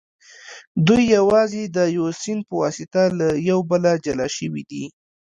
دوی یوازې د یوه سیند په واسطه له یو بله جلا شوي دي